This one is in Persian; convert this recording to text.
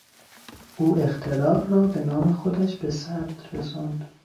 او اختراع را به نام خودش به ثبت رساند.